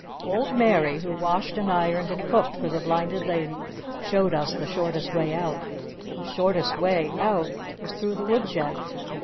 Old Mary who washed and ironed and cooked for the Blinded Lady showed us the shortest way out. The shortest way out was through the wood shed.